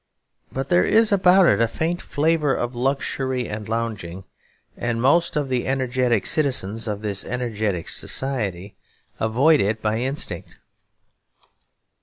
But there is about it a faint flavour of luxury and lounging, and most of the energetic citizens of this energetic society avoid it by instinct.